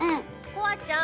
こあちゃん